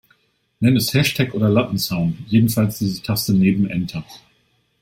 Nenn es Hashtag oder Lattenzaun, jedenfalls diese Taste neben Enter.